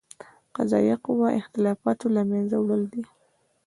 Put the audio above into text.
قضائیه قوه اختلافاتو له منځه وړل دي.